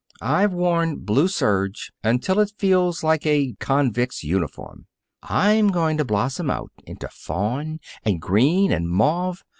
I've worn blue serge until it feels like a convict's uniform. I'm going to blossom out into fawn and green and mauve.